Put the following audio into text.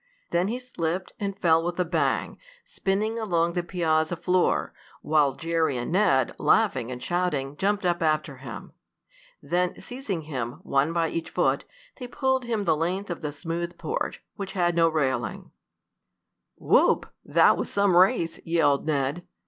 Then he slipped, and fell with a bang, spinning along the piazza floor, while Jerry and Ned, laughing and shouting, jumped up after him. Then, seizing him, one by each foot, they pulled him the length of the smooth porch, which had no railing. [Illustration: THEY PULLED BOB THE LENGTH OF THE SMOOTH PORCH.] "Whoop! That was some race!" yelled Ned.